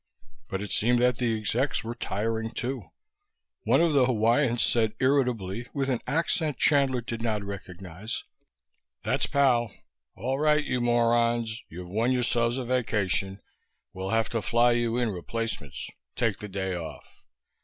But it seemed that the execs were tiring too. One of the Hawaiians said irritably, with an accent Chandler did not recognize: "That's pau. All right, you morons, you've won yourselves a vacation; we'll have to fly you in replacements. Take the day off."